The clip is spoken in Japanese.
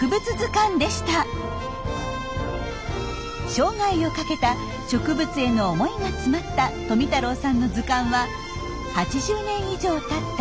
生涯をかけた植物への思いが詰まった富太郎さんの図鑑は８０年以上たった